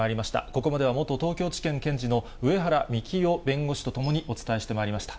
ここまでは元東京地検検事の上原幹男弁護士と共にお伝えしてまいりました。